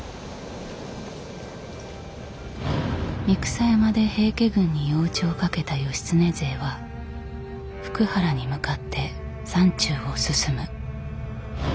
三草山で平家軍に夜討ちをかけた義経勢は福原に向かって山中を進む。